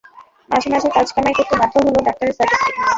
মাঝে মাঝে কাজ কামাই করতে বাধ্য হল ডাক্তারের সার্টিফিকেট নিয়ে।